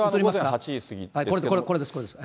これです、これです。